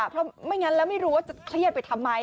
เพราะไม่งั้นแล้วไม่รู้ว่าจะเครียดไปทำไม